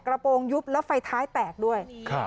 โปรงยุบแล้วไฟท้ายแตกด้วย